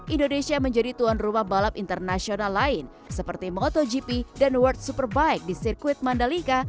indonesia menjadi tuan rumah balap internasional lain seperti motogp dan world superbike di sirkuit mandalika